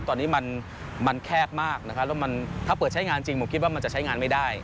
ตอนนี้มันแคบมากนะครับแล้วมันถ้าเปิดใช้งานจริงผมคิดว่ามันจะใช้งานไม่ได้